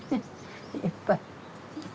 いっぱい。